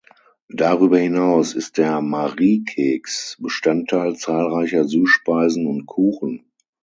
Darüber hinaus ist der Mariekeks Bestandteil zahlreicher Süßspeisen und Kuchen.